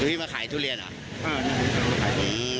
คุณพิเศษมาขายทุเรียนเหรอ